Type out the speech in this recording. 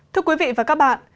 thưa quý vị và các bạn